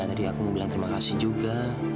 tadi aku mau bilang terima kasih juga